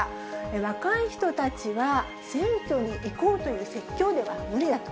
若い人たちは、選挙に行こうという説教では無理だと。